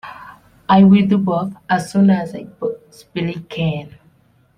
I’ll do both, as soon as I possibly can.